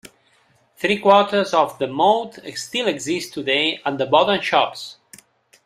Three-quarters of the moat still exists today, at the 'bottom shops'.